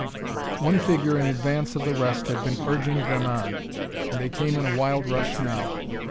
One figure in advance of the rest had been urging them on, and they came in a wild rush now.